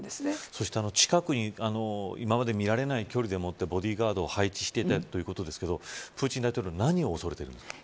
そして近くに今まで見られない距離でボディーガードを配置していたということですがプーチン大統領は何を恐れているんですか。